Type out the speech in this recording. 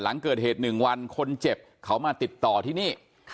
หลังเกิดเหตุ๑วันคนเจ็บเขามาติดต่อที่นี่